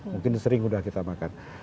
mungkin sering udah kita makan